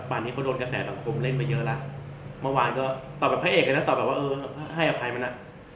วันนี้เขาโดนกระแสสังคมเล่นไปเยอะแล้วต่อไปพระเอกก็จะตอบว่าเออให้อภัยมานะ